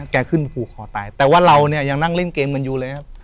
แกขึ้นผูกคอตายแต่ว่าเราเนี่ยยังนั่งเล่นเกมกันอยู่เลยครับ